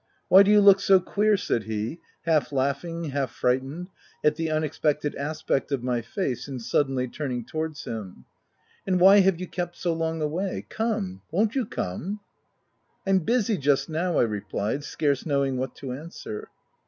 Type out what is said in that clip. Why do you look so queer ?" said he, half laughing, half frightened at the unexpected aspect of my face in suddenly turning towards him —" and why have you kept so long away? — Come! — Won't you come ?" u I'm busy just now," I replied, scarce know ing what to answer.